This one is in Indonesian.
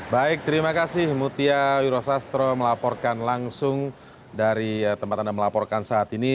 baik terima kasih mutia wirosastro melaporkan langsung dari tempat anda melaporkan saat ini